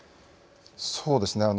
そうですね。